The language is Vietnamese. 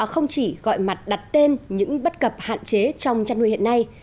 không chỉ gọi mặt đặt tên những bất cập hạn chế trong chăn nuôi hiện nay